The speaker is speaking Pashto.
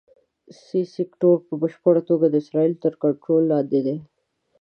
سي سیکټور په بشپړه توګه د اسرائیلو تر کنټرول لاندې دی.